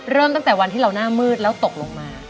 เริ่มตั้งแต่วันที่เราหน้ามืดแล้วตกลงมา